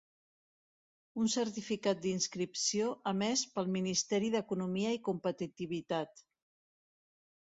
Un certificat d'inscripció emès pel Ministeri d'Economia i Competitivitat.